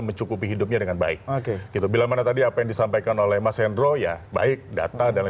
mencukupi hidupnya dengan baik oke gitu bila mana tadi apa yang disampaikan oleh mas hendro ya baik data dan